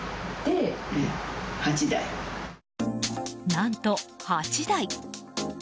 何と８台。